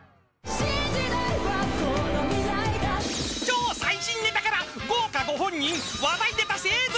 ［超最新ネタから豪華ご本人話題ネタ勢揃い］